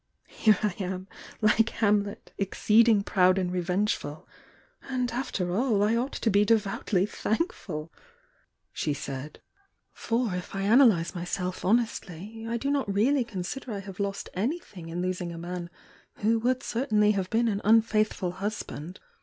"Here I am, like Hamlet, 'exceeding proud and revengeful,' and after all I ought to be devoutly thankful!" she said. "For, if I analyse myself hon estly, I do not really consider I have lost anytiiing in losing a man who would certainly have been an unfaithful husband.